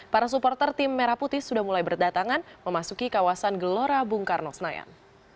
para supporter tim merah putih sudah mulai berdatangan memasuki kawasan gelora bung karno senayan